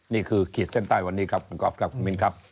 นี่คือคิดเส้นใต้วันนี้ครับขอบคุณครับ